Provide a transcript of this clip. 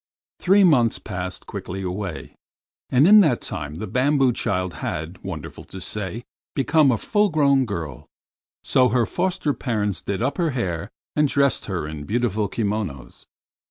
Three months passed quickly away, and in that time the bamboo child had, wonderful to say, become a full grown girl, so her foster parents did up her hair and dressed her in beautiful kimonos.